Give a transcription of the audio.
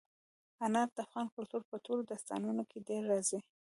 انار د افغان کلتور په ټولو داستانونو کې ډېره راځي.